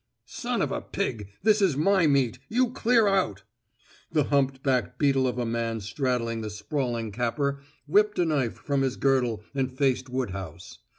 "Son of a pig! This is my meat; you clear out!" The humped black beetle of a man straddling the sprawling Capper whipped a knife from his girdle and faced Woodhouse.